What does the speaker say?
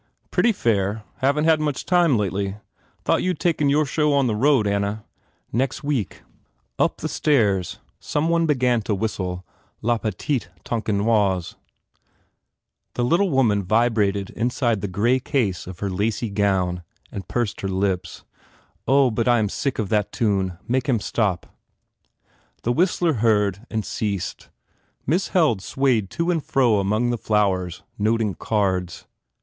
"Pretty fair. Haven t had much time lately. Thought you d taken your show on the road, Anna?" "Nex week." Up the staircase some one $2 FULL BLOOM began to whistle "La Petite Tonkinoise." The little woman vibrated inside the grey case of her lacy gown and pursed her lips. "Oh, but I am sick of that tune! Make him stop." The whistler heard and ceased. Miss Held swayed to and fro among the flowers, noting cards.